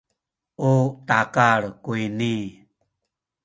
u takal kuyni